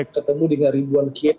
ketemu dengan ribuan kiai